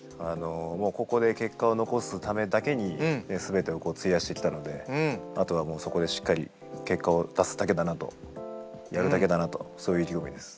もうここで結果を残すためだけに全てを費やしてきたのであとはもうそこでしっかり結果を出すだけだなとやるだけだなとそういう意気込みです。